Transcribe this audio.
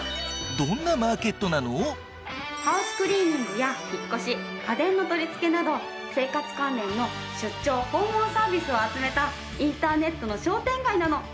ハウスクリーニングや引っ越し家電の取り付けなど生活関連の出張・訪問サービスを集めたインターネットの商店街なの。